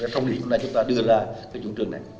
xong thì chúng ta đưa ra cái chủ trường này